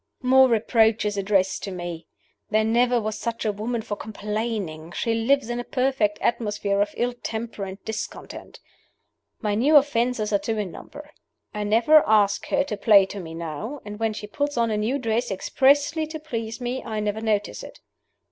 "More reproaches addressed to me! There never was such a woman for complaining; she lives in a perfect atmosphere of ill temper and discontent. "My new offenses are two in number: I never ask her to play to me now; and when she puts on a new dress expressly to please me, I never notice it.